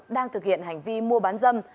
đang thực hiện hành vi mua bán dâm